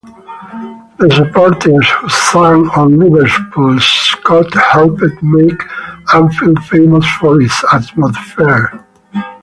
The supporters who sang on Liverpool's Kop helped make Anfield famous for its atmosphere.